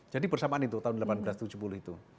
jadi bersamaan itu tahun seribu delapan ratus tujuh puluh itu